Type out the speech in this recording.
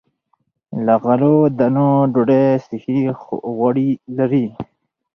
له غلو- دانو ډوډۍ صحي غوړي لري.